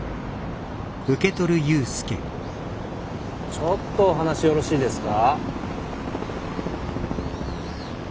ちょっとお話よろしいですか？